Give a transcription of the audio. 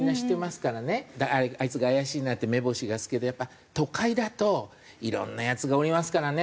だからあいつが怪しいなって目星がつくけどやっぱ都会だといろんなヤツがおりますからね。